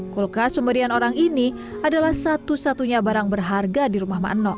kulkas pemberian orang ini adalah satu satunya barang berharga di rumah ⁇ eno